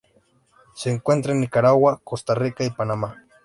Se encuentra en Nicaragua, Costa Rica y Panamá.